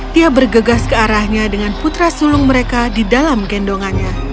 dia bergegas ke arahnya dengan putra sulung mereka di dalam gendongannya